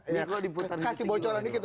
kasih bocoran dikit